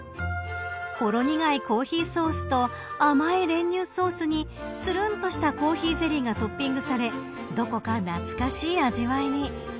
ほろ苦いコーヒーソースと甘い練乳ソースにつるんとしたコーヒーゼリーがトッピングされどこか懐かしい味わいに。